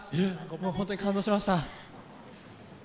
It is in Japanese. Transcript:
本当に感動しました。